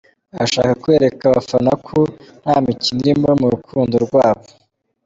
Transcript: Arashaka kwereka abafana ko nta mikino irimo mu rukundo rwabo.